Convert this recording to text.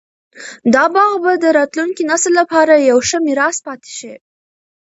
دا باغ به د راتلونکي نسل لپاره یو ښه میراث پاتې شي.